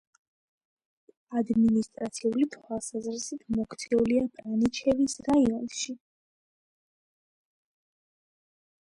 ადმინისტრაციული თვალსაზრისით მოქცეულია ბრანიჩევის რაიონში.